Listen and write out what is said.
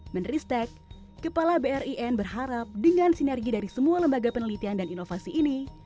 menristek kepala brin berharap dengan sinergi dari semua lembaga penelitian dan inovasi ini